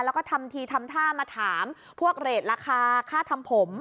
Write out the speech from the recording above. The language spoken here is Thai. แล้วก็ทำทีทำท่ามาถามพวกเรทราคาค่าทำผม